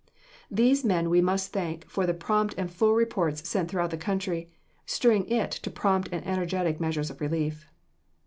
These men we must thank for the prompt and full reports sent throughout the country, stirring it to prompt and energetic measures of relief.